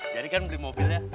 jadi kan beli mobil ya